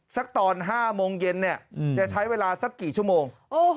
ตอน๕โมงเย็นเนี่ยจะใช้เวลาสักกี่ชั่วโมง